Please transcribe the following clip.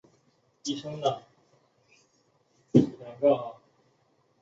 化学学会在承认了门捷列夫的成果五年之后才承认纽兰兹的发现的重要性。